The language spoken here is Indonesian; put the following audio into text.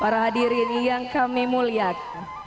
para hadirin yang kami muliakan